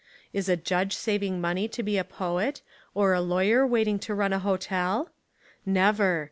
Is a judge sav ing money to be a poet, or a lawyer waiting to run a hotel? Never.